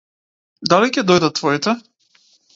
Дали ќе дојдат твоите?